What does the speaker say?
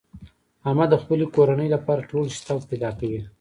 احمد د خپلې کورنۍ لپاره ټول شته فدا کوي.